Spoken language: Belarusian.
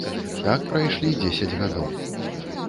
Так прайшлі дзесяць гадоў.